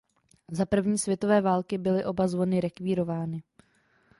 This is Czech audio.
Za první světové války byly oba zvony rekvírovány.